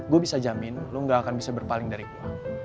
gue bisa jamin lo gak akan bisa berpaling dariku